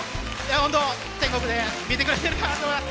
本当、天国で見てくれてるかなと思います。